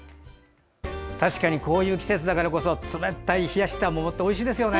確かにこういう季節だからこそ冷たい冷やした桃っておいしいですよね。